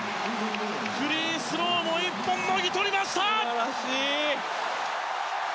フリースローを１本もぎ取りました！